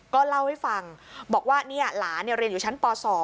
ก็เล่าให้ฟังบอกว่าหลานเรียนอยู่ชั้นป๒